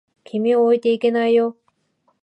君を置いていけないよ。